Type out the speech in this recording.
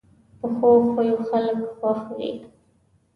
پخو خویو خلک خوښ وي